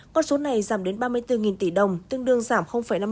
con số này giảm đến ba mươi bốn tỷ đồng tương đương giảm năm mươi